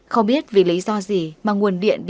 không biết vì lý do gì mà nguồn điện bị bắt